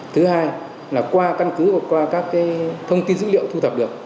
thứ hai là qua căn cứ và qua các thông tin dữ liệu thu thập được